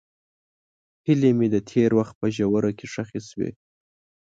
هیلې مې د تېر وخت په ژوره کې ښخې شوې.